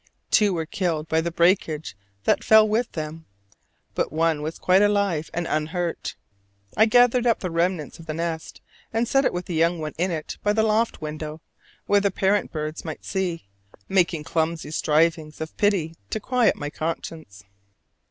Two were killed by the breakage that fell with them, but one was quite alive and unhurt. I gathered up the remnants of the nest and set it with the young one in it by the loft window where the parent birds might see, making clumsy strivings of pity to quiet my conscience.